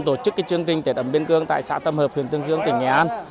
tổ chức chương trình tết ấm biên cương tại xã tam hợp huyện tương dương tỉnh nghệ an